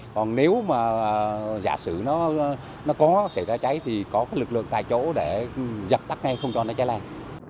còn nếu mà giả sử nó có xảy ra cháy thì có cái lực lượng tại chỗ để dập tắt ngay không cho nó cháy lan